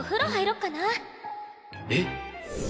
えっ！？